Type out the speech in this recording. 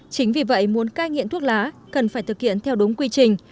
chính vì vậy muốn cai nghiện thuốc lá cần phải thực hiện theo đúng quy trình